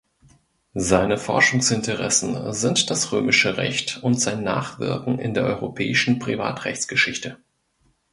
Seine Forschungsinteressen sind das Römische Recht und sein Nachwirken in der Europäischen Privatrechtsgeschichte.